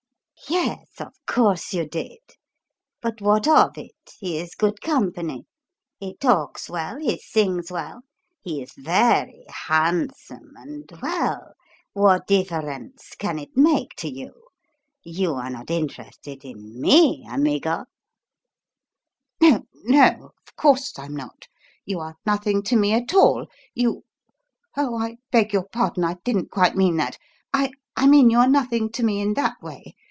"Yes, of course you did. But what of it? He is good company he talks well, he sings well, he is very handsome and well, what difference can it make to you? You are not interested in me, amigo?" "No, no; of course I'm not. You are nothing to me at all you Oh, I beg your pardon; I didn't quite mean that. I I mean you are nothing to me in that way.